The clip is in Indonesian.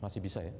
masih bisa ya